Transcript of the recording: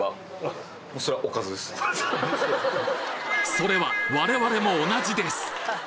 それは我々も同じです！